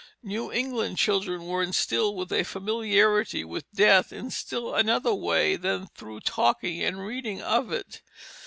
New England children were instilled with a familiarity with death in still another way than through talking and reading of it.